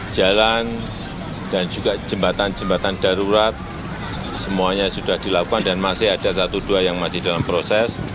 jalan dan juga jembatan jembatan darurat semuanya sudah dilakukan dan masih ada satu dua yang masih dalam proses